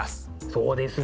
そうですね。